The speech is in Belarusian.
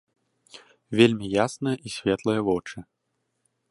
Вельмі ясныя і светлыя вочы.